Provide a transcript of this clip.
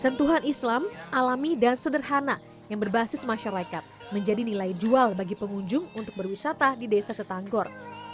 sentuhan islam alami dan sederhana yang berbasis masyarakat menjadi nilai jual bagi pengunjung untuk berwisata di desa setanggor